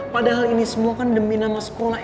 padahal ini semua kan demi nama sekolah